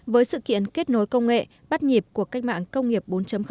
với sự kiện kết nối công nghệ bắt nhịp của cách mạng công nghiệp bốn